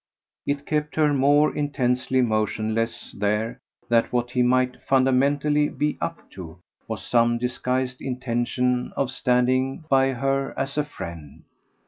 It kept her more intensely motionless there that what he might fundamentally be "up to" was some disguised intention of standing by her as a friend.